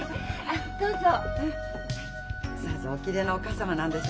あっどうも。